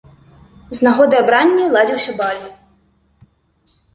З нагоды абранні ладзіўся баль.